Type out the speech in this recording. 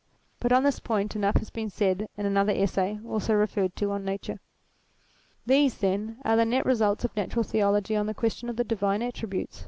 But on this point enough has been said in another Essay, already referred to, on Nature. These, then, are the net results of Natural Theology on the question of the divine attributes.